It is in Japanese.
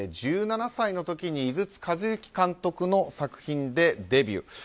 １７歳の時に井筒和幸監督の作品でデビュー。